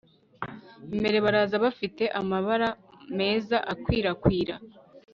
Imbere baraza bafite amabara meza akwirakwira